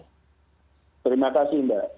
amin terima kasih mbak